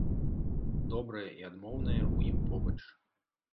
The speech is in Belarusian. Добрае і адмоўнае ў ім побач.